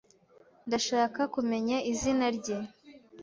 Ndashaka kumenya izina rye.